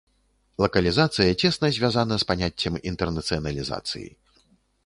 Лакалізацыя цесна звязана з паняццем інтэрнацыяналізацыі.